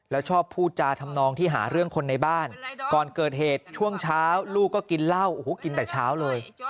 แล้วชอบพูดจาทำนองที่หาเรื่องคนในบ้านก่อนเกิดเหตุช่วงเช้าลูกก็กินเหล้าโอ้โหกินแต่เช้าเลย